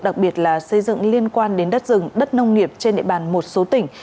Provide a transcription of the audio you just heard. đặc biệt là xây dựng liên quan đến đất rừng đất nông nghiệp trên địa bàn một số tỉnh